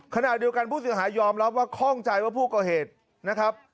ขณะเดียวกันผู้เสียหายยอมรับว่าคล่องใจว่าผู้ก่อเหตุนะครับ